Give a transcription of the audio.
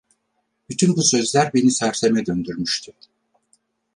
Bütün bu sözler beni serseme döndürmüştü.